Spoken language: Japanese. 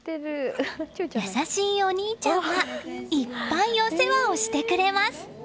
優しいお兄ちゃんはいっぱいお世話をしてくれます。